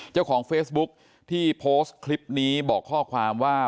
เจ้าของเฟซบุ๊คที่โพสต์คลิปนี้บอกข้อความว่า